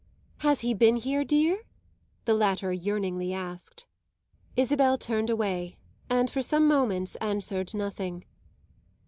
"Has he been here, dear?" the latter yearningly asked. Isabel turned away and for some moments answered nothing.